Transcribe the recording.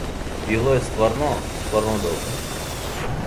Било је стварно, стварно добро.